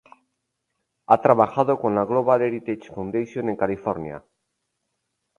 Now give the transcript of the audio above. Ha trabajado con la "Global Heritage Foundation", en California.